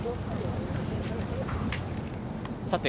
さて、